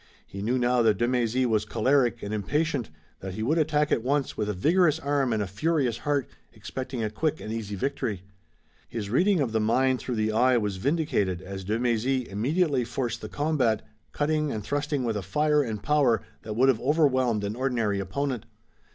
He knew now that de Mézy was choleric and impatient, that he would attack at once with a vigorous arm and a furious heart, expecting a quick and easy victory. His reading of the mind through the eye was vindicated as de Mézy immediately forced the combat, cutting and thrusting with a fire and power that would have overwhelmed an ordinary opponent.